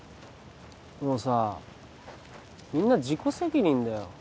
もうさみんな自己責任だよ